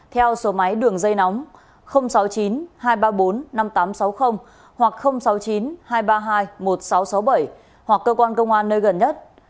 theo số máy đường dây nóng sáu mươi chín hai trăm ba mươi bốn năm nghìn tám trăm sáu mươi hoặc sáu mươi chín hai trăm ba mươi hai một nghìn sáu trăm sáu mươi bảy hoặc cơ quan công an nơi gần nhất